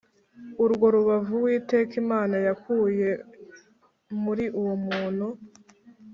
urwo rubavu Uwiteka Imana yakuye muri uwo muntu